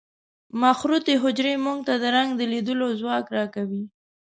مخروطي حجرې موږ ته د رنګ د لیدلو ځواک را کوي.